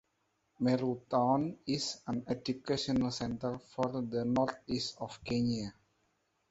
Meru town is an educational center for the northeast of Kenya.